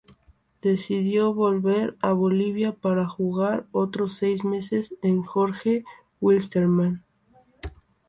Decidió volver a Bolivia para jugar otros seis meses en Jorge Wilstermann.